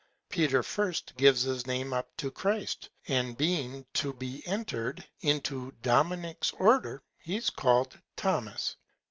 Peter first gives his Name up to Christ, and being to be enter'd into Dominic's Order, he's called Thomas.